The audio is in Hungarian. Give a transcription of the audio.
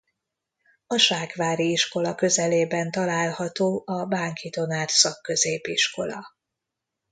A Ságvári iskola közelében található a Bánki Donát Szakközépiskola.